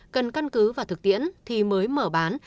cần căn cứ vào thực tiễn thì mới mở bán